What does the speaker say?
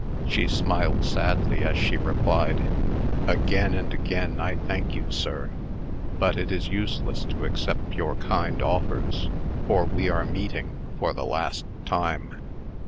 She smiled sadly, as she replied: "Again and again I thank you, sir; but it is useless to accept your kind offers, for we are meeting for the last time."